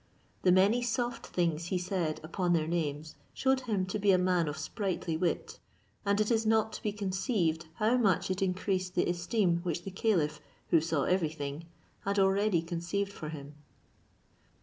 The many soft things he said upon their names shewed him to be a man of sprightly wit, and it is not to be conceived how much it increased the esteem which the caliph (who saw every thing) had already conceived for him.